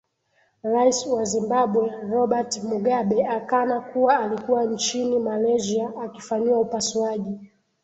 rais wa zimbabwe robert mugabe akana kuwa alikuwa nchini malaysia akifanyiwa upasuaji